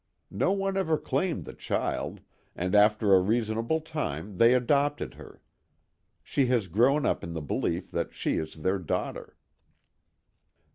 No one ever claimed the child, and after a reasonable time they adopted her. She has grown up in the belief that she is their daughter."